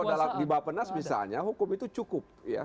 selalu kalau dibahas penas misalnya hukum itu cukup ya